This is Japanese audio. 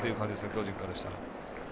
巨人からしたら。